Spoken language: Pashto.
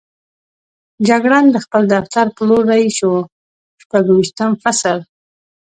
جګړن د خپل دفتر په لور رهي شو، شپږویشتم فصل.